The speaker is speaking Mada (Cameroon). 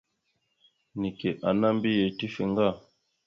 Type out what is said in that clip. Neke ana mbiyez tife ŋga.